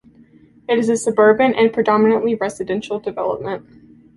It is a suburban and predominantly residential development.